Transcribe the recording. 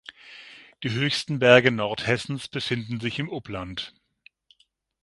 Die höchsten Berge Nordhessens befinden sich im Upland.